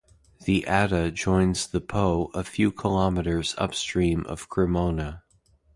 The Adda joins the Po a few kilometres upstream of Cremona.